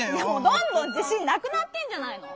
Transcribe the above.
どんどんじしんなくなってんじゃないの！